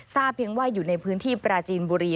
เพียงว่าอยู่ในพื้นที่ปราจีนบุรี